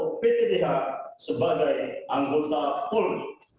atau ptdh sebagai anggota polri